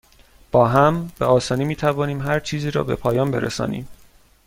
با هم، به آسانی می توانیم هرچیزی را به پایان برسانیم.